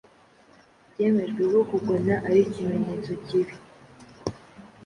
bwemeje ko kugona ari ikimenyetso kibi